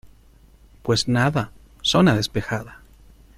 pues nada, zona despejada